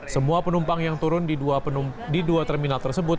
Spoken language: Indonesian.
semua penumpang yang turun di dua terminal tersebut